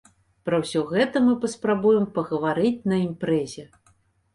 Пра ўсё гэта мы паспрабуем пагаварыць на імпрэзе.